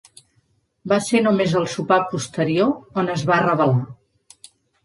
Va ser només al sopar posterior on es va revelar.